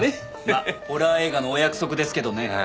まっホラー映画のお約束ですけどね。